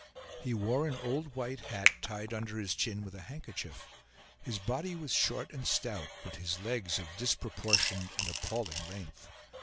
He wore an old white hat, tied under his chin with a handkerchief; his body was short and stout, but his legs of disproportioned and appalling length.